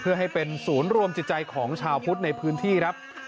เพื่อให้เป็นศูนย์รวมจิตใจของชาวพุทธในพื้นที่ครับ